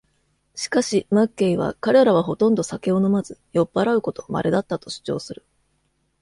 しかし、マッケイは、彼らはほとんど酒を飲まず、酔っぱらうことまれだったと主張する。